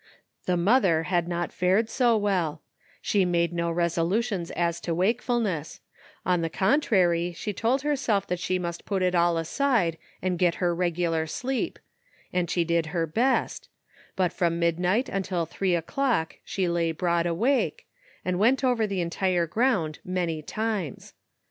The mother had not fared so well; she made no resolutions as to wakefulness — on the contrary, she told herself that she must put it all aside and get her regular sleep — and she did her best ; but from midnight until three o'clock she lay broad awake, and went over the entire ground many times.